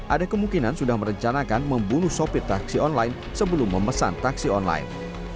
ada kemungkinan sudah merencanakan membunuh sopir taksi online sebelum memesan taksi online